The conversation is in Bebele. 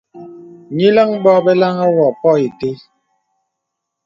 Nīləŋ bǒ bə laŋhi gô pô itə.